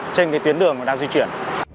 trên cái tuyến đường đang di chuyển